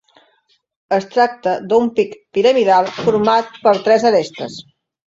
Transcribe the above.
Es tracta d'un pic piramidal format per tres arestes.